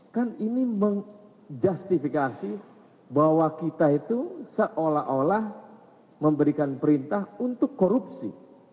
kan ini menjustifikasi bahwa kita itu seolah olah memberikan perintah untuk korupsi